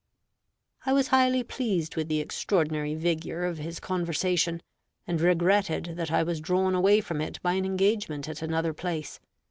I was highly pleased with the extraordinary vigor of his conversation, and regretted that I was drawn away from it by an engagement at another place.